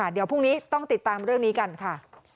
เดี๋ยวพรุ่งนี้ต้องติดตามเรื่องนี้กันค่ะ